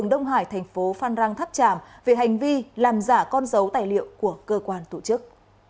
đông hải thành phố phan rang tháp tràm về hành vi làm giả con dấu tài liệu của cơ quan tổ chức